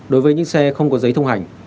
đối với những xe không có giấy thông hành